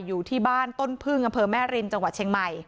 อยู่ที่บ้านต้นพึ่งอแม่ริมจเชียงใหม่